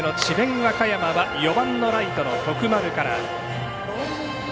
和歌山は４番ライトの徳丸から。